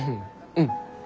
うん。